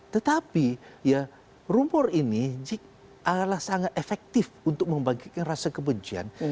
tetapi ya rumor ini adalah sangat efektif untuk membagikan rasa kebencian